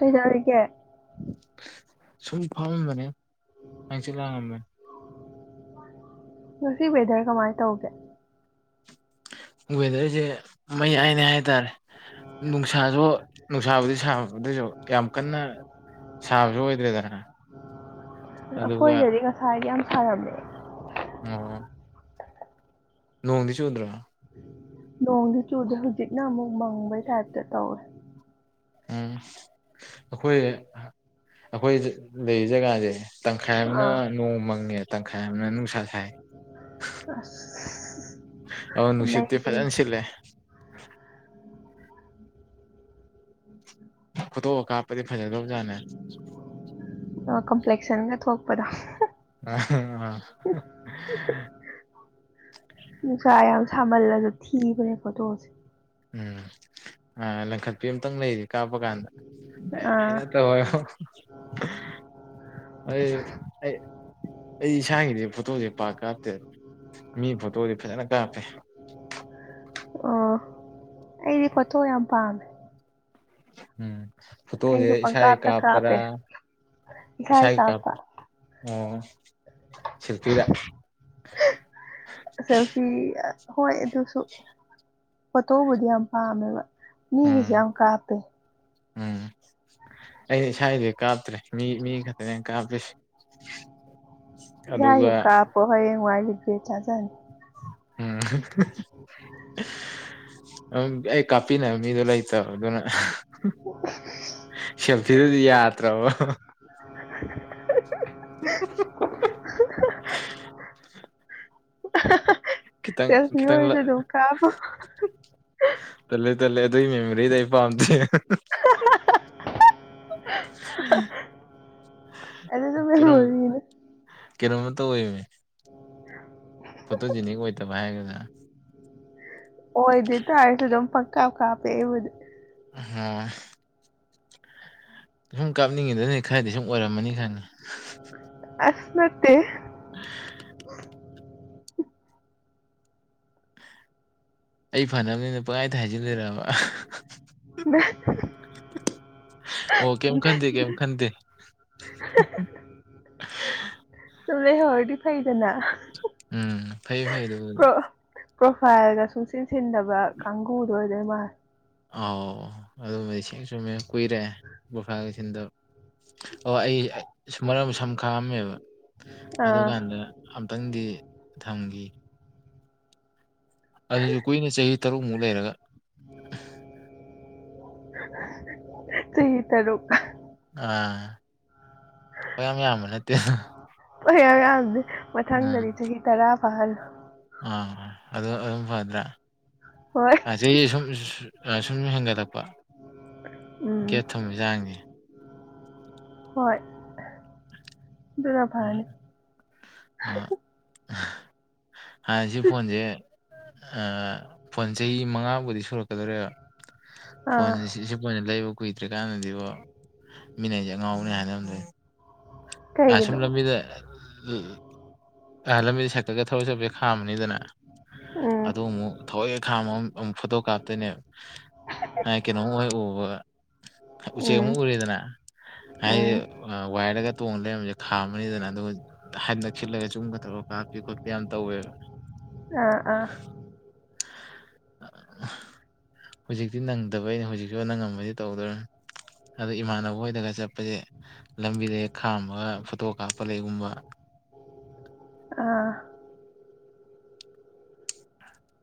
ꯀꯩꯗꯩꯔꯤꯒꯦ ꯁꯨꯝ ꯐꯝꯃꯝꯕꯅꯦ ꯍꯪꯆꯤꯠ ꯂꯥꯡꯉꯝꯕꯅꯤ ꯉꯁꯤ ꯋꯦꯗ꯭ꯔ ꯀꯃꯥꯏ ꯇꯧꯒꯦ ꯋꯦꯗ꯭ꯔꯖꯦ ꯃꯌꯥꯏꯅꯦ ꯍꯥꯏꯇꯥꯔꯦ ꯅꯨꯡꯁꯥꯖꯨ ꯅꯨꯡꯁꯥꯕꯨꯗꯤ ꯁꯥꯕ ꯑꯗꯣꯏꯖꯨ ꯌꯥꯝ ꯀꯟꯅ ꯁꯥꯕꯖꯨ ꯑꯣꯏꯗ꯭ꯔꯦꯗꯅ ꯑꯗꯨꯒ ꯑꯈꯣꯏꯗꯗꯤ ꯉꯁꯥꯏꯗꯤ ꯌꯥꯝ ꯁꯥꯔꯝꯃꯦ ꯑꯣ ꯅꯣꯡꯗꯤ ꯆꯨꯗ꯭ꯔꯣ ꯅꯣꯡꯗꯤ ꯆꯨꯗꯦ ꯍꯧꯖꯤꯛꯅ ꯑꯃꯨꯛ ꯃꯪꯕꯩ ꯇꯥꯏꯞꯇ ꯇꯧꯋꯦ ꯎꯝ ꯑꯩꯈꯣꯏ ꯑꯩꯈꯣꯏꯗꯤ ꯂꯩꯔꯤ ꯖꯒꯥꯖꯦ ꯇꯪꯈꯥꯏ ꯑꯃꯅ ꯑꯥ ꯅꯣꯡ ꯃꯪꯉꯦ ꯇꯪꯈꯥꯏ ꯑꯃꯅ ꯅꯨꯡꯁꯥ ꯁꯥꯏ ꯑꯁ ꯑꯗꫭ ꯅꯨꯡꯁꯤꯠꯇꯤ ꯐꯖꯅ ꯑꯩꯗꯤ ꯁꯤꯠꯂꯦ ꯐꯣꯇꯣꯒ ꯀꯥꯞꯄꯗꯤ ꯐꯖꯗꯧꯖꯥꯠꯅꯦ ꯑꯣ ꯀꯝꯄ꯭ꯂꯦꯛꯁꯟꯒ ꯊꯣꯛꯄꯗꯣ [inaudible] ꯑꯥ ꯅꯨꯡꯁꯥ ꯌꯥꯝ ꯁꯥꯃꯜꯂꯖꯨ ꯊꯤꯕꯅꯦ ꯐꯣꯇꯣꯁꯦ ꯎꯝ ꯑꯥ ꯂꯪꯈꯠꯄꯤ ꯑꯝꯇꯪ ꯂꯩꯔꯤ ꯀꯥꯞꯄ ꯀꯥꯟꯗ ꯑꯩ ꯑꯥ ꯍꯩꯅꯇ꯭ꯔꯕ [inaudible] ꯑꯩ ꯑꯩ ꯑꯩ ꯏꯁꯥꯒꯤꯗꯤ ꯐꯣꯇꯣꯖꯦ ꯄꯥꯛ ꯀꯥꯞꯇꯦ ꯃꯤ ꯐꯣꯇꯣꯗꯤ ꯐꯖꯅ ꯀꯥꯞꯄꯦ ꯑꯣ ꯑꯩꯗꯤ ꯄꯣꯊꯣꯛ ꯌꯥꯝ ꯄꯥꯝꯃꯦ ꯎꯝ ꯐꯠꯇꯣꯁꯦ ꯑꯩꯁꯨ ꯏꯁꯥꯒꯤ ꯄꯪꯀꯥꯞꯇ ꯀꯥꯞꯄ꯭ꯔꯥ ꯀꯥꯞꯄꯦ ꯏꯁꯥꯒꯤ ꯀꯥꯞꯄ ꯑꯣ ꯁꯤꯜꯐꯤꯗ ꯁꯦꯜꯐꯤ ꯍꯣꯏ ꯑꯗꯨꯁꯨ ꯐꯣꯊꯣꯕꯨꯗꯤ ꯌꯥꯝ ꯄꯥꯝꯃꯦꯕ ꯃꯤꯒꯤꯁꯨ ꯎꯝ ꯌꯥꯝ ꯀꯥꯞꯄꯦ ꯎꯝ ꯑꯩꯩꯅ ꯏꯁꯥꯒꯤꯗꯤ ꯀꯥꯞꯇ꯭ꯔꯦ ꯃꯤ ꯃꯤ ꯈꯛꯇꯅꯦ ꯀꯥꯞꯄꯤꯁꯦ ꯌꯥꯏꯁꯨꯨ ꯑꯗꯨꯒ ꯀꯥꯞꯄꯣ ꯍꯌꯦꯡ ꯋꯥꯏ ꯂꯤꯒꯦ ꯆꯥꯖꯅꯤ ꯎꯝ ꯑꯩ ꯀꯥꯄꯤꯅ ꯃꯤꯂ ꯆ ꯑꯗꯨꯅ ꯁꯦꯜꯐꯤꯗꯗꯤ ꯌꯥꯗꯔ ꯕ [inaudible] [inaudible] ꯈꯤꯇꯪ ꯈꯤꯇꯪ ꯁꯦꯦꯜꯐꯤꯁꯦ ꯗꯨ ꯀꯥꯕ [unintelligible] ꯇꯜꯂꯦ ꯇꯜꯂꯦ ꯑꯗꯨꯏ ꯃꯦꯃꯣꯔꯤꯗ ꯑꯩ ꯄꯥꯝꯗꯦ ꯑꯗꯨꯁꯨ ꯀꯩꯅꫭꯝ ꯃꯦꯃꯣꯔꯤꯅꯦ ꯀꯩꯅꯣꯃꯥ ꯇꯧꯋꯦꯃꯤ [inaudible] ꯐꯣꯠꯇꯣꯖꯤꯅꯤ ꯑꯣꯏꯇꯕ ꯍꯥꯏꯒꯗꯥ ꯑꯣꯏꯗꯤꯇꯥꯥꯔꯁꯨ ꯑꯗꯨꯝ ꯄꯪꯀꯥꯞ ꯀꯥꯞꯄꯦ ꯑꯩꯕꯨꯗꯤ ꯑ ꯁꯨꯝ ꯀꯥꯞꯅꯤꯡꯉꯤꯗꯅꯤ ꯈꯔꯗꯤ ꯁꯨꯝ ꯑꯣꯏꯔꯝꯃꯅꯤ ꯈꯪꯉꯤ ꯑꯁ ꯅꯠꯇ‌ꯦ [inaudible] ꯑꯩ ꯐꯅꯕꯅꯤꯅ ꯄꯪꯈꯥꯏꯗ ꯍꯥꯏꯖꯤꯟꯕꯤꯔꯛꯑꯕ ꯑꯣ ꯀꯝ ꯈꯟꯗꯦ ꯀꯝ ꯈꯟꯗꯦ ꯆꯂꯦ ꯍꯔꯗꯤ ꯐꯥꯏꯗꯅ ꯎꯝ ꯐꯩ ꯐꯩ ꯑꯗꯨ ꯄ꯭ꯔꯣꯐꯥꯏꯜꯒ ꯁꯨꯡꯆꯤꯟꯁꯤꯟꯗꯕ ꯀꯥꯡꯕꯨꯗꯣ ꯑꯣꯏꯗꯣꯏ ꯃꯥꯜꯂꯦ ꯑꯥꯎ ꯑꯗꯨꯃꯗꯤ ꯁꯦꯡ ꯆꯨꯝꯃꯦ ꯀꯨꯏꯔꯦ ꯕꯣꯐꯥꯒꯁꯤꯟꯗꯣ ꯑꯣ ꯑꯩ ꯁꯁꯨ ꯃꯔꯝ ꯁꯝ ꯈꯥꯑꯝꯃꯦꯕ ꯑꯥ ꯑꯗꯨꯀꯥꯟꯗ ꯑꯝꯇꯪꯗꯤ ꯊꯝꯈꯤ ꯑꯗꯨꯁꯨ ꯀꯨꯏꯅ ꯆꯍꯤ ꯇꯔꯨꯛꯃꯨꯛ ꯂꯩꯔꯒ ꯆꯍꯤ ꯇꯔꯨꯛ ꯑꯥ ꯌꯥꯝ ꯌꯥꯝꯕ ꯅꯠꯇꯦ ꯍꯣꯏ ꯑꯔꯥꯡꯗꯤꯦ ꯃꯊꯪꯗꯗꯤ ꯆꯍꯤ ꯇꯔꯥ ꯐꯥꯍꯜꯂꯨ ꯑ ꯑꯗꯨ ꯑꯗꯨꯝ ꯐꯗ꯭ꯔ ꯍꯣꯏ ꯉ ꯁꯨꯝ ꯁꯨꯝꯨꯝ ꯍꯦꯟꯒꯠꯂꯛꯄ ꯎꯝ ꯒꯦꯠ ꯊꯣꯡꯕꯩ ꯆꯥꯡꯁ [unintelligible] ꯍꯣꯏ ꯑꯗꯨꯅ ꯎ ꯐꯅꯤ ꯑ [inaudible] ꯍꯥꯟꯅ ꯁꯤ ꯐꯣꯟꯁꯦ ꯐꯣꯟ ꯆꯍꯤ ꯃꯉꯥꯕꯨꯗꯤ ꯁꯨꯔꯛꯀꯗꯧꯣꯔꯦꯕ ꯑꯥ ꯐꯣꯏꯅꯤ ꯁꯤ ꯁꯤ ꯐꯣꯏꯅꯤ ꯂꯩꯕ [unintelligible] ꯀꯨꯏꯗ꯭ꯔꯤꯀꯥꯟꯗꯗꯤꯕ ꯃꯤꯅ ꯑꯩꯁꯦ ꯑꯉꯥꯎꯅꯤ ꯍꯥꯏꯅꯔꯝꯗꯩꯅ‌ꯦ ꯁꯨꯝ ꯀꯩꯒꯤꯅꯣ ꯂꯝꯕꯤꯗ ꯂꯝꯕꯤꯗ ꯁꯦꯛꯇꯒ ꯊꯧꯔ ꯆꯠꯞ ꯈꯥꯝꯝꯕꯅꯤꯗꯅ ꯎꯝ ꯑꯗꯨ ꯑꯃꯨꯛ ꯊꯑꯑꯦꯛ ꯈꯥꯝꯃ ꯑꯃꯨꯛ ꯐꯣꯇꯣ ꯀꯥꯞꯇꯣꯏꯅꯦ ꯍ ꯀꯩꯅꯣꯝ ꯍꫭꯏ ꯎꯕ ꯎꯆꯦꯛ ꯎꯝ ꯑꯃꯨꯛ ꯎꯔꯤꯗꯅ ꯍꯥꯏꯗ ꯎꯝ ꯋꯥꯏꯌꯔꯗ ꯇꯣꯡ ꯂꯩꯔꯝꯕꯁꯦ ꯈꯥꯝꯃꯅꯤꯗꯅ ꯑꯗꯨꯒ ꯍꯟ ꯅꯛꯁꯤꯜꯂꯒ ꯖꯨꯝꯒ ꯇꯧꯔꯒ ꯀꯥꯞꯄꯤ ꯈꯣꯠꯄꯤ ꯌꯥꯝ ꯇꯧꯋꯦꯕ ꯑꯥ ꯑꯥ ꯍꯧꯖꯤꯛꯇꯤ ꯅꯪꯗꯕꯩꯩꯅ ꯍꯧꯖꯤꯛꯁꯨ ꯅꯪꯉꯝꯃꯗꯤ ꯇꯧꯗꯣꯏ ꯑꯗꯣ ꯏꯃꯥꯟꯅꯕ ꯍꯣꯏꯗꯒ ꯆꯠꯄꯁꯦ ꯂꯝꯕꯤꯗ ꯍꯦꯛ ꯈꯥꯝꯃꯒ ꯐꯣꯇꯣ ꯀꯥꯞꯄ ꯂꯩꯒꯨꯝꯕ ꯑꯥ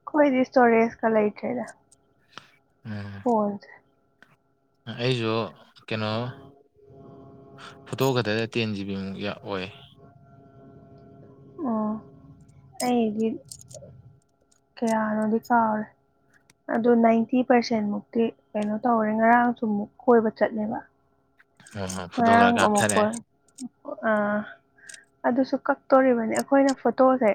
ꯑꯩꯈꯣꯏꯗꯤ ꯁꯇꯣꯔꯦꯁꯀ ꯂꯩꯇ꯭ꯔꯦꯗ [inaudible] ꯐꯣꯟꯁꯦ ꯑꯩꯁꯨ ꯀꯩꯅꯣ ꯐꯣꯇꯣ ꯈꯛꯇ ꯇꯦꯟ ꯖꯤꯕꯤꯃꯨꯛ ꯑꯣꯏ ꯑꯣ ꯑꯩꯗꯤ ꯀꯌꯥꯅꯣꯗꯤ ꯀꯥꯎꯔꯦ ꯑꯗꯨ ꯅꯥꯏꯟꯇꯤ ꯄꯥꯔꯁꯦꯟ ꯃꯨꯛꯇꯤ ꯀꯩꯅꯣ ꯇꯧꯔꯦ ꯉꯔꯥꯡꯁꯨ ꯃꯨꯛ ꯀꯣꯏꯕ ꯆꯠꯂꯦꯕ ꯐꯣꯇꯣ ꯈꯔ ꯉꯔꯥꯡ ꯑꯃꯨꯛ ꯀꯥꯞꯊꯔꯦ ꯀꯣꯏ ꯑꯥ ꯑꯗꯨꯁꯨ ꯀꯛꯇꯣꯔꯤꯕꯅꯤ ꯑꯩꯈꯣꯏꯅ ꯐꯣꯇꯣꯁꯦ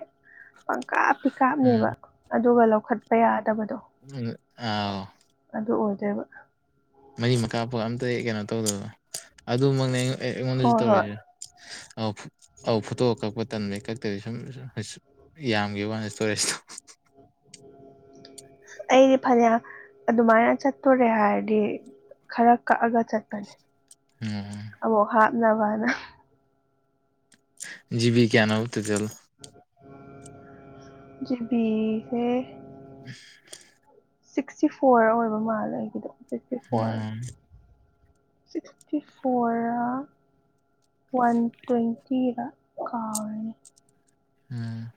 ꯄꯪꯀꯥꯞꯇꯤ ꯎꯝ ꯀꯥꯞꯅꯤꯕ ꯑꯗꯨꯒ ꯂꯧꯈꯠꯄ ꯌꯥꯗꯕꯗꯣ ꯎꯝ ꯑꯥꯎ ꯑꯗꯨ ꯑꯣꯏꯗꯣꯏꯕ ꯃꯔꯤꯃꯛ ꯀꯥꯞꯄꯥ ꯑꯝꯇ ꯀꯩꯅꯣ ꯇꯧꯗꯕꯗꯣ ꯑꯗꯨꯃꯛꯅꯦ ꯑꯩꯉꯣꯟꯗꯁꯨ ꯍꯣꯏ ꯍꯣꯏ ꯇꯧꯔꯤꯁꯦ ꯑꯧꯑꯧ ꯐꯣꯇꯣꯒ ꯀꯛꯄ ꯇꯟꯕꯩ ꯀꯛꯇꯕꯤ ꯁꯨꯝ [unintelligible] ꯌꯥꯝꯒꯤꯕ ꯋꯥꯅꯦ ꯏꯁꯇꯣꯔꯦꯖꯇꯣ ꯑꯩꯗꯤ ꯐꯅ꯭ꯌꯥ ꯑꯗꯨꯃꯥꯏꯅ ꯆꯠꯇꯣꯔꯦ ꯍꯥꯏꯔꯗꯤ ꯈꯔ ꯀꯛꯑꯒ ꯆꯠꯄꯅꯦ ꯎꯝ ꯑꯃꯨꯛ ꯍꯥꯞꯅꯕꯅꯥ ꯖꯤꯕꯤ ꯀꯌꯥꯅꯣꯕ ꯇꯣꯇꯜ ꯖꯤꯕꯤ ꯁꯦ [inaudible] ꯁꯤꯛꯁꯇꯤ ꯐꯣꯔ ꯑꯣꯏꯕ ꯃꯥꯜꯂꯦ ꯑꯩꯒꯤꯗꯣ ꯐꯣꯔ ꯎꯝ ꯁꯤꯛꯁꯇꯤ ꯐꯣꯔꯔꯥ ꯋꯥꯟ ꯇ꯭ꯋꯦꯟꯇꯤ ꯔ ꯀꯥꯎꯔꯦꯅꯦ ꯎꯝ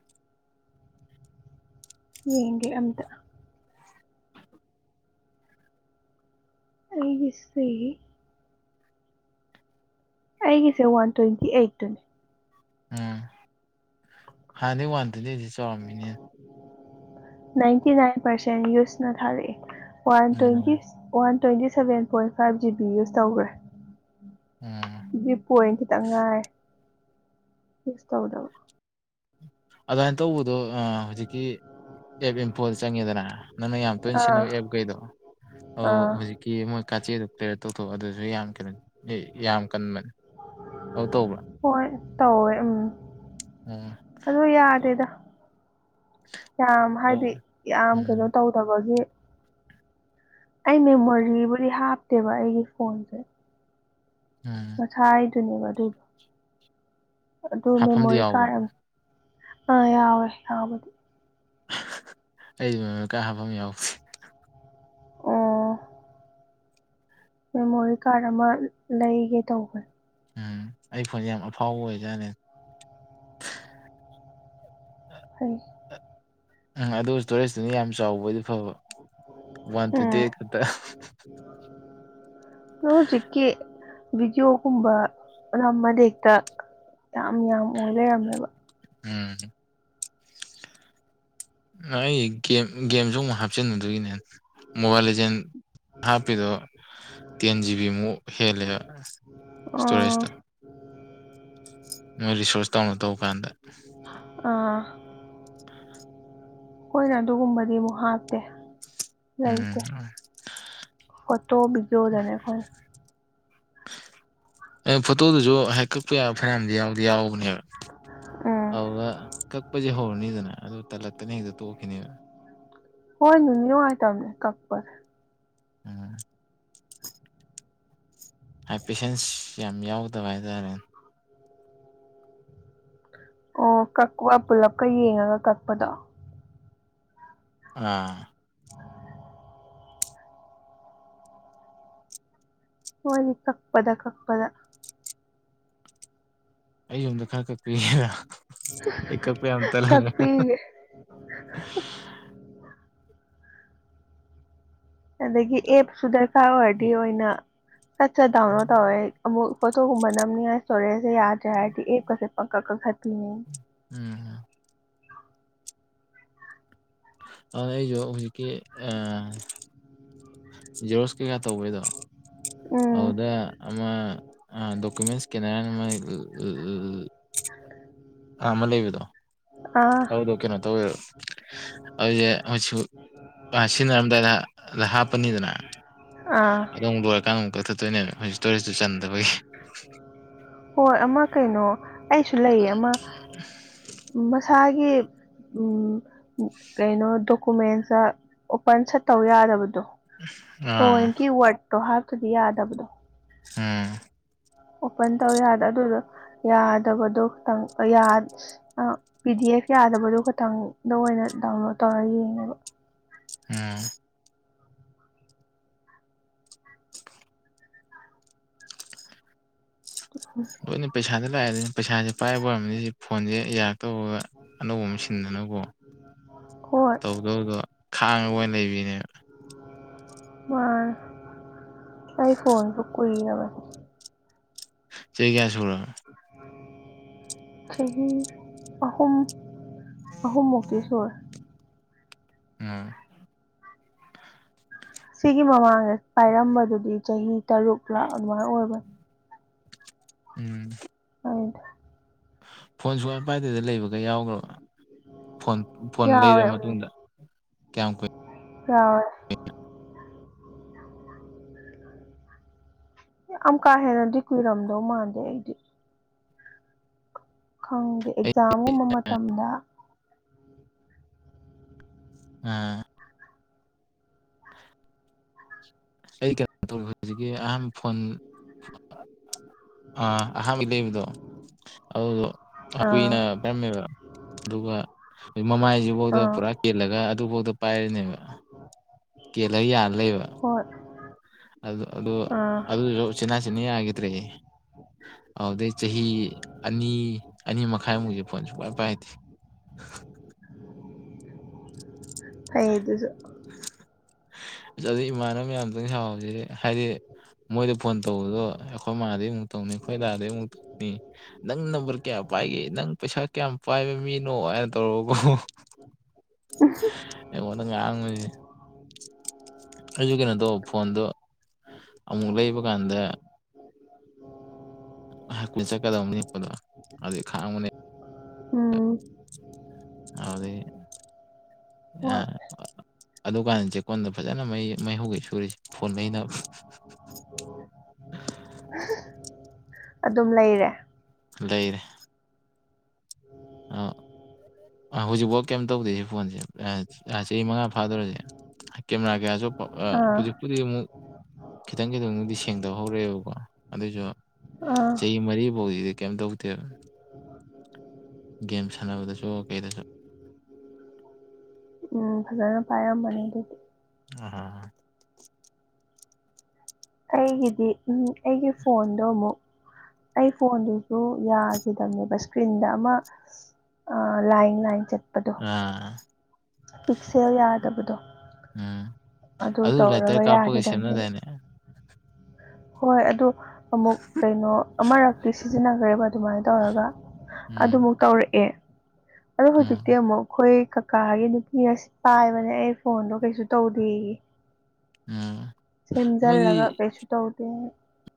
ꯌꯦꯡꯒꯦ ꯑꯝꯇ ꯑꯩꯒꯤꯁꯤ ꯑꯩꯒꯤꯁꯦ ꯋꯥꯟ ꯇ꯭ꯋꯦꯟꯇꯤ ꯑꯩꯠꯇꯨꯅꯤ ꯎꯝ ꯍꯥꯟꯗꯤ ꯋꯥꯟ ꯇ꯭ꯋꯦꯟꯇꯤ ꯑꯩꯠꯁꯦ ꯆꯥꯎꯔꯝꯃꯤꯅꯦ ꯅꯥꯏꯟꯇꯤ ꯅꯥꯏꯟ ꯄꯥꯔꯁꯦꯟ ꯌꯨꯁꯅ ꯊꯥꯔꯛꯦ ꯋꯥꯟ ꯇ꯭ꯋꯦꯟꯇꯤ ꯎꯝ one twenty seven point five G B ꯌꯨꯁ ꯇꯧꯈ꯭ꯔꯦ ꯎꯝ ꯑꯗꯨꯗꯤ ꯄꯣꯏꯟ ꯈꯤꯇꯪ ꯉꯥꯏꯔꯦ ꯌꯨꯁ ꯇꯧꯗꯕ ꯑꯗꯨꯃꯥꯏꯅ ꯇꯧꯕꯗꯣ ꯍꯧꯖꯤꯛꯀꯤ ꯑꯦꯞ ꯏꯝꯐꯣꯗ ꯆꯪꯉꯦꯗꯅ ꯅꯪꯅ ꯌꯥꯝ ꯇꯣꯏꯅ ꯁꯤꯟꯅꯕ ꯑꯥ ꯑꯦꯞ ꯀꯩꯗꯣ ꯑꯧ ꯑꯥ ꯍꯧꯖꯤꯛ ꯀꯤ ꯃꯣꯏ ꯀꯥꯆꯦꯗꯣ ꯀ꯭ꯂꯤꯌꯔ ꯇꯧꯊꯣꯛꯑꯣ ꯑꯗꯨꯁꯨ ꯌꯥꯝ ꯀꯩꯅꯣ ꯑꯦ ꯌꯥꯝ ꯀꯟꯕꯅꯦ ꯑꯗꯨ ꯇꯧꯕ꯭ꯔꯥ ꯍꯣꯏ ꯇꯧꯋꯦ ꯎꯝ ꯎꯝ ꯑꯗꯨ ꯇꯧ ꯌꯥꯗꯦꯗ ꯌꯥꯝ ꯇꯧ ꯍꯥꯏꯗꯤ ꯌꯥꯝ ꯎꯝ ꯀꯩꯅꯣ ꯇꯧ ꯗꯕꯒꯤ ꯑꯩ ꯃꯦꯃꯣꯔꯤꯕꯨꯗꯤ ꯍꯥꯞꯇꯦꯕ ꯑꯩꯒꯤ ꯐꯣꯟꯁꯦ ꯎꯝ ꯃꯁ ꯍꯥꯏꯗꯨꯅꯦꯕ ꯑꯗꯨꯒ ꯑꯗꯨ ꯍꯥꯞꯐꯝꯗꯤ ꯃꯦꯃꯣꯔꯤ ꯌꯥꯎꯕ ꯀꯥꯔꯠ ꯑ ꯑ ꯌꯥꯎꯦ ꯌꯥꯕꯗꯤ ꯑꯩꯗꯤ ꯃꯦꯃꯣꯔꯤ ꯃꯀꯥ ꯍꯥꯞꯐꯝ ꯌꯥꯎꯗꯦ ꯑꯣ ꯃꯦꯃꯣꯔꯤ ꯀꯥꯔ ꯑꯃ ꯂꯩꯒꯦ ꯇꯧꯕꯅꯤ ꯎꯝ ꯑꯩ ꯐꯣꯟꯁꯦ ꯌꯥꯝ ꯑꯐꯥꯎꯕ ꯑꯣꯏꯖꯥꯠꯅꯦ ꯑ ꯎ ꯎꯝ ꯑꯗꯨ ꯏꯁꯇꯣꯔꯦꯖꯇꯨꯅ ꯌꯥꯝ ꯆꯥꯎꯕꯗꯤ ꯐꯕ ꯋꯥꯟ ꯎꯝ ꯇ꯭ꯋꯦꯟꯇꯤ ꯑꯩꯠ ꯈꯛꯇ ꯍꯖꯤꯀꯤ ꯕꯤꯗꯤꯌꯑꯣꯒꯨꯝꯕ ꯅꯝꯕꯗꯥ ꯍꯦꯛꯇ ꯌꯥꯝ ꯌꯥꯝ ꯑꯣꯏ ꯂꯩꯔꯝꯃꯦꯕ ꯎꯝ ꯑꯩ ꯒꯦꯝ ꯒꯦꯝꯁꯨ ꯑꯃꯨꯛ ꯍꯥꯞꯆꯤꯟꯗꯨꯒꯤꯅꯦ ꯃꯣꯕꯥꯏꯜ ꯂꯤꯖꯦꯟ ꯍꯥꯞꯄꯤꯗꯣ ꯇꯦꯟ ꯖꯤꯕꯤꯃꯨꯛ ꯍꯦꯜꯂꯦ ꯑꯥ ꯏꯁꯇꯣꯔꯦꯖꯇ [inaudible] ꯃꯣꯏ ꯔꯤꯁꯣꯔꯇ ꯇꯧꯅ ꯇꯧꯕ ꯀꯥꯟꯗ ꯑꯥ [unintelligible] ꯑꯩꯈꯣꯏꯅ ꯑꯗꯨꯒꯨꯝꯕꯗꯤ ꯑꯃꯨꯛ ꯍꯥꯞꯇꯦ ꯎꯝ ꯂꯩꯥꯏꯇ ꯐꯣꯠꯇꯣ ꯕꯤꯖꯣꯗꯅꯦ ꯑꯩꯈꯣꯏ ꯑ ꯐꯣꯇꯣꯗꯨꯁꯨ ꯍꯥꯏꯦꯛ ꯀꯛꯄ ꯌꯥꯕ ꯐꯅꯌꯥꯝꯗꯤ ꯌꯥꯎꯗꯤ ꯌꯥꯎꯕꯅꯦꯕ ꯎꯝ ꯑꯗꯨꯗ ꯀꯛꯄꯁꯦ ꯍꯧꯔꯅꯤꯗꯅ ꯑꯗꯨ ꯇꯜꯂꯛꯇꯅ ꯍꯦꯛꯇ ꯇꯣꯛꯈꯤꯅꯦꯕ ꯍꯣꯏ ꯅꯨꯡꯗꯤ ꯅꯨꯡꯉꯥꯏꯇꯕꯅꯦ ꯀꯛꯄꯗ ꯎꯝ ꯍꯥꯏ ꯄꯦꯁꯦꯟꯁ ꯌꯥꯝ ꯌꯥꯎꯗꯕ ꯍꯥꯏꯇꯥꯔꯦꯅꯦ ꯑꯣ ꯀꯛꯄ ꯄꯨꯂꯞꯀ ꯌꯦꯡꯉꯒ ꯀꯛꯄꯗꯣ ꯑꯥ ꯈꯣꯏꯅꯤ ꯀꯛꯄꯗ ꯀꯛꯄꯗ ꯑꯩ ꯌꯨꯝꯗ ꯈꯔ ꯀꯛꯄꯤꯒ ꯑꯩ ꯀꯛꯄ ꯌꯥꯝ ꯇꯜꯍꯜꯂꯦ ꯀꯛꯄꯤꯒꯦ [inaudible] ꯑꯗꯒꯤ ꯑꯦꯞꯁꯨ ꯗꯔꯀꯥꯔ ꯑꯣꯏꯔꯗꯤ ꯑꯣꯏꯅ ꯁꯠ ꯁꯠ ꯗꯥꯎꯟꯂꯣꯗ ꯇꯧꯋꯦ ꯑꯃꯨꯛ ꯐꯣꯇꯣꯒꯨꯝꯕ ꯅꯝꯅꯤ ꯍꯥꯏ ꯏꯁꯇꯣꯔꯦꯖꯁꯦ ꯌꯥꯗ꯭ꯔꯦ ꯍꯥꯏꯔꯗꯤ ꯑꯦꯞꯀꯁꯦ ꯄꯪꯀꯛ ꯀꯪꯛꯊꯠ ꯎꯝ ꯑꯎ ꯑꯩꯁꯨ ꯍꯧꯖꯤꯛꯀꯤ ꯑ ꯖꯦꯔꯣꯁ ꯀꯩꯀꯥ ꯇꯧꯕꯩꯗꯣ ꯎꯝ ꯑꯗꯨꯗ ꯑꯃ ꯑ ꯗꯣꯀꯨꯃꯦꯟꯁ ꯀꯦꯅꯔꯅ ꯃꯥ [unintelligible] ꯑꯥ ꯑꯃ ꯂꯩꯕꯗꯣ ꯑꯥ ꯑꯗꯨꯗꯣ ꯀꯩꯅꯣ ꯇꯧꯋꯦ ꯑꯗꯨꯁꯦ ꯍꯧꯖꯤꯛꯁꯨ ꯁꯤꯖꯤꯟꯅꯔꯝꯗꯥꯏꯗ ꯍꯥꯞ ꯄꯅꯤꯗꯅ ꯑꯥ ꯑꯗꯝ ꯂꯣꯏꯔꯀꯥꯟꯗ ꯑꯃꯛꯊꯠꯇꯣꯏꯅꯦꯕ ꯍꯧꯖꯤꯛ ꯏꯇꯣꯔꯤꯁꯇꯨ ꯆꯟꯗꯕꯒꯤ ꯍꯣꯏ ꯑꯃ ꯀꯩꯅꯣ ꯑꯩꯁꯨ ꯂꯩꯌꯦ ꯑꯃ ꯑꯝ ꯎꯝ ꯃꯁꯥꯒꯤ ꯎꯝ ꯀꯩꯅꯣ ꯗꯣꯀꯨꯃꯦꯟꯁꯇ ꯑꯣꯄꯟ ꯁꯠꯇꯧ ꯌꯥꯗꯕꯗꯣ ꯑꯥ ꯊꯑꯣꯏꯀꯤ ꯋꯥꯠꯇꯣ ꯍꯥꯥꯛꯇꯔꯗꯤ ꯌꯥꯕꯗꯣ ꯎꯝ ꯑꯣꯄꯟ ꯇꯧ ꯌꯥꯗ ꯑꯗꯨꯗꯣ ꯌꯥꯗꯕꯗꯣ ꯈꯤꯇꯪ ꯄꯤ ꯗꯤ ꯑꯦꯐ ꯌꯥꯗꯕꯗꯨ ꯈꯇꯪꯗ ꯑꯣꯏꯅ ꯗꯥꯎꯟꯂꯣꯗ ꯇꯧꯔꯒ ꯌꯦꯡꯉꯦꯕ ꯑꯝ ꯀꯅꯤ ꯄꯩꯁꯥꯅꯦ ꯂꯥꯏ ꯄꯩꯁꯥꯁꯦ ꯄꯥꯏꯕ ꯑꯣꯏꯔꯝꯅꯤ ꯁꯤ ꯐꯣꯟꯁꯦ ꯌꯥꯔꯛꯇꯧꯕ ꯑꯅꯧꯕ ꯑꯃ ꯁꯤꯟꯗꯅꯕꯀꯣ ꯍꯣꯏ ꯇꯧꯗꯧꯗꯣ ꯈꯥꯡꯉꯒ ꯑꯣꯏꯅ ꯂꯩꯕꯤꯅꯦꯕ ꯃꯥ ꯑꯩꯥꯏ ꯐꯣꯟ ꯆꯛꯅ ꯃ ꯆꯩ ꯀꯌꯥ ꯁꯣ ꯆꯍꯤ ꯑꯍꯨꯝꯨꯝ ꯑꯍꯨꯝꯃꯨꯀꯤꯁꯣꯔ ꯎꯝ ꯁꯤꯒꯤ ꯃꯃꯥꯡꯗꯦ ꯄꯥꯏꯔꯝꯕꯗꯨꯗꯤ ꯆꯍꯤ ꯇꯔꯨꯛꯂ ꯑꯗꯨꯃꯥꯏꯅ ꯑꯣꯏꯕꯅꯤ ꯎꯝ ꯑꯣꯏꯗ ꯐꯣꯟ ꯁꯨꯀ ꯄꯥꯏꯗꯗ ꯂꯩꯕꯒ ꯌꯥꯎꯈ꯭ꯔꯣ ꯐꯣꯟ ꯐꯣꯟ ꯌꯥꯎꯋꯦ ꯂꯩꯔꯕ ꯃꯇꯨꯡꯗ ꯀꯌꯥꯝ ꯀꯨꯏꯅ ꯑ ꯌꯥꯝ ꯀꯥ ꯍꯦꯟꯅꯗꯤ ꯀꯨꯏꯔꯝꯗꯧ ꯃꯥꯟꯗꯦ ꯑꯩꯗꯤ ꯈꯪꯗꯦ ꯑꯩ ꯑꯦꯛꯖꯥꯝꯒꯨꯝꯕ ꯃꯇꯝꯗ ꯑ [inaudible] ꯑꯩ ꯀꯩꯅꯣ ꯇꯧ ꯍꯧꯖꯤꯛꯀꯤ ꯑꯍꯥꯟꯕ ꯐꯣꯟ ꯑ ꯑꯍꯝꯗ ꯏꯗꯨ ꯍꯥꯎ ꯑꯥ ꯀꯨꯏꯅ ꯄꯔꯝꯃꯦꯕ ꯑꯗꯨꯒ ꯑꯩꯣꯏ ꯃꯃꯥꯏꯁꯤꯐꯧꯗ ꯑꯥ ꯄꯨꯔꯥ ꯀꯦꯜꯂꯒ ꯑꯗꯨꯐꯧꯗ ꯄꯥꯏꯔꯤꯅꯦꯕ ꯀꯦꯜꯂꯒ ꯌꯥꯜ ꯂꯩꯕ ꯍ ꯑꯗꯨꯗ ꯑꯗꯨꯗ ꯑꯗꯨꯁꯨ ꯆꯅꯥ ꯆꯤꯟꯌꯥ ꯍꯥꯏꯒꯦꯗ꯭ꯔꯔꯤ ꯑꯗꯩ ꯆꯍꯤ ꯑꯅꯤ ꯑꯅꯤ ꯃꯈꯥꯏꯃꯨꯛꯁꯦ ꯐꯣꯟ ꯁ ꯀꯏ ꯄꯥꯏꯗꯦ [inaudible] ꯍ ꯑꯗꯨꯁꯨ ꯑꯗꯨꯗꯩ ꯏꯃꯥꯅꯕ ꯃꯌꯥꯝꯇꯪ ꯁꯥꯎꯁꯤ ꯍꯥꯏꯗꯤ ꯃꯣꯏꯗ ꯐꯣꯟ ꯇꯧꯕꯗꯣ ꯑꯩꯈꯣꯏ ꯃꯥꯗꯩ ꯑꯃꯨꯛ ꯇꯧꯅꯤ ꯑꯩꯈꯣꯏꯗꯗꯥꯗꯒꯤꯩ ꯑꯃꯨꯛ ꯇꯧꯅꯤ ꯅꯪ ꯅꯝꯕꯔ ꯀꯌꯥꯝ ꯄꯥꯏꯒꯦ ꯅꯪ ꯄꯩꯁꯥ ꯀꯌꯥꯝ ꯄꯥꯏꯕ ꯃꯤꯅꯣ ꯍꯥꯏꯅ ꯇꯧꯔ ꯎ ꯑꯩꯉꯣꯟꯗ ꯉꯥꯡꯉꯁꯦ ꯑꯩꯁꯨ ꯀꯩꯅꯣ ꯇꯧꯕ ꯐꯣꯟꯗꯣ ꯑꯃꯨꯛ ꯂꯩꯕ ꯀꯥꯟꯗ ꯍ ꯀꯨꯜ ꯆꯠꯀꯗꯕꯅꯤꯄꯗꯣ ꯑꯗꯨꯩ ꯈꯥꯡꯕꯅꯦ ꯑ ꯑꯗꯤ ꯑꯗꯨꯀꯥꯟꯗ ꯆꯦꯛꯀꯣꯟꯗ ꯐꯖꯅ ꯃꯩ ꯃꯩ ꯍꯧꯧꯧꯕ ꯁꯨꯔꯤꯁ ꯐꯣꯟꯉꯩꯅ ꯑꯗꯨꯝ ꯂꯩꯔꯦ ꯂꯩꯔꯦ ꯑꯥ ꯍꯧꯖꯤꯛꯐꯥꯎ ꯀꯩꯝ ꯇꯧꯗꯦꯔꯤ ꯁꯤ ꯐꯣꯟꯁꯦ ꯆꯍꯤ ꯃꯉꯥ ꯐꯥꯗꯔꯁꯦ ꯀꯦꯝꯅꯥ ꯀꯌꯥꯁꯨ ꯑꯥ ꯍꯧꯖꯤꯛ ꯄꯨ ꯈꯤꯇꯪ ꯈꯤꯇꯪꯗꯨꯗꯤ ꯁꯦꯡꯗ ꯍꯧꯔꯛꯑꯦꯕꯀꯣ ꯑꯗꯨꯁꯨ ꯑꯥ ꯆꯍꯤ ꯃꯔꯤ ꯐꯧꯗꯤꯗꯤ ꯀꯩꯝ ꯇꯧꯗꯦꯕ ꯒꯦꯝ ꯁꯥꯟꯅꯕꯗꯁꯨ ꯀꯩꯗꯁꯨ ꯎꯝ ꯐꯖꯅ ꯄꯥꯏꯔꯝꯕꯅꯦ ꯑꯗꯨꯗꯤ ꯑ ꯑꯩꯒꯤꯗꯤ ꯑꯩꯒꯤ ꯐꯣꯟꯗꯣ ꯑꯃꯨꯛ ꯑꯩ ꯐꯣꯟꯗꯨꯁꯨ ꯌꯥꯈꯤꯗꯅꯦꯕ ꯏꯁꯀ꯭ꯔꯤꯟꯗ ꯑꯃ ꯑ ꯂꯥꯏꯟ ꯂꯥꯏꯟ ꯆꯠꯄꯗꯣ ꯑꯥ ꯄꯤꯛꯁꯦꯜ ꯌꯥꯗꯕꯗꯣ ꯎꯝ ꯑꯗꯨ ꯂꯥꯏꯇꯔ ꯇꯧꯔꯒ ꯀꯥꯞꯄꯒ ꯌꯥꯈꯤꯗꯕꯅꯦꯕ ꯁꯦꯝꯅꯗꯥꯏꯅꯦ ꯍꯣꯏ ꯑꯗꯨ ꯑꯃꯨꯛ ꯀꯩꯅꯣ ꯑꯃꯔꯛꯇꯤ ꯁꯤꯖꯤꯟꯅꯈ꯭ꯔꯦꯕ ꯑꯗꯨꯃꯥꯏꯅ ꯇꯧꯔꯒ ꯎꯝ ꯑꯗꯨꯃꯨꯛ ꯇꯧꯔꯛꯑꯦ ꯑꯗ ꯎꯝ ꯍꯧꯖꯤꯛꯇꯤ ꯑꯃꯨꯛ ꯑꯩꯈꯣꯏ ꯀꯀꯥꯒꯤ ꯅꯨꯄꯤꯒ ꯄꯥꯏꯕꯅꯦ ꯑꯩ ꯐꯣꯟꯗꯣ ꯀꯩꯁꯨ ꯇꯧꯗ ꯑ ꯎꯝ ꯃꯣꯏꯗꯤ ꯁꯦꯝꯖꯤꯜꯂꯒ ꯀꯩꯁꯨ ꯇꯧꯗꯦ